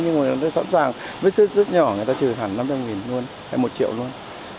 nhưng mà nó sẵn sàng vết xước rất nhỏ người ta trừ thẳng năm trăm linh nghìn luôn hay một triệu luôn